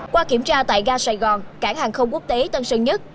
qua kiểm tra tại ga sài gòn cảng hàng không quốc tế tăng sân nhất